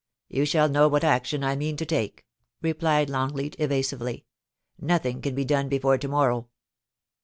'You shall know what action I mean to take,' replied Longleat, evasively. ' Nothing can be done before to morrow.'